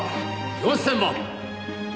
「４０００万」